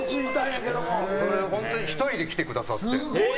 本当に１人で来てくださって。